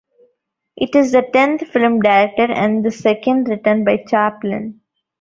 It is the tenth film directed and the second written by Chaplin.